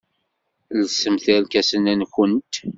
Lsemt irkasen-nwent.